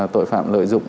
tội phạm lợi dụng